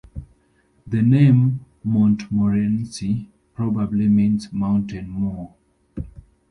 The name Montmorency probably means Mountain Moor.